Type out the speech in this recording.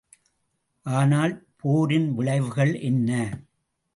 ஆனால் போரின் விளைவுகள் என்ன?